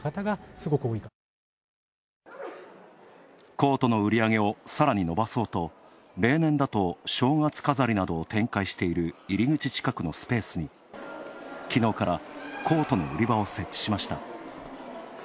コートの売り上げをさらに伸ばそうと例年だと正月飾りなどを展開している入り口近くのスペースにきのうからコートの売り場を設置しました。